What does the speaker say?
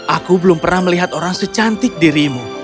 aku belum pernah melihat orang secantik dirimu